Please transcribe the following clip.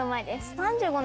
３５年